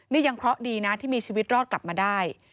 นี่ยังเคราะห์ดีนะที่มีชีวิตรอดกลับมาได้